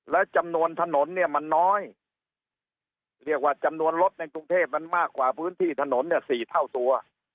และจำนวนถนนเนี่ยมันน้อยเรียกว่าจำนวนรถในกรุงเทพมันมากกว่าพื้นที่ถนนเนี่ย๔เท่าตัว